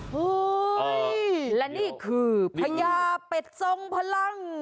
เฮ้ยและนี่คือพญาเป็ดทรงพลัง